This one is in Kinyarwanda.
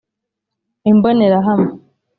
Imbonerahamwe